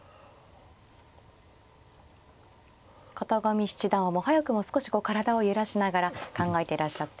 片上七段はもう早くも少し体を揺らしながら考えていらっしゃって。